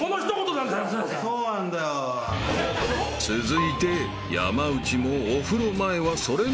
［続いて山内もお風呂前はそれなりにこなし］